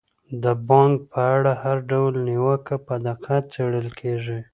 د بانک په اړه هر ډول نیوکه په دقت څیړل کیږي.